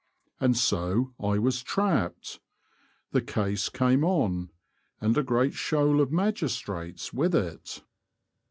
And so I was trapped. The case came on, and a great shoal of magistrates with it.